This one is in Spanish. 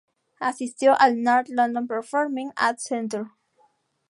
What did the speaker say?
Asistió al "North London Performing Arts Centre".